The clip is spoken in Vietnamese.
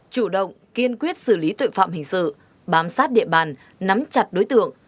chủ động kiên quyết xử lý tội phạm hình sự bám sát địa bàn nắm chặt đối tượng